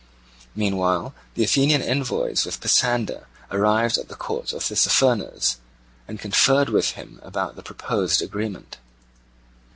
Meanwhile the Athenian envoys with Pisander arrived at the court of Tissaphernes, and conferred with him about the proposed agreement.